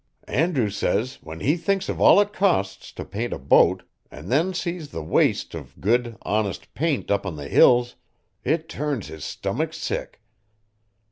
Andrew says when he thinks of all it costs t' paint a boat an' then sees the waste of good, honest paint up on the Hills, it turns his stummick sick.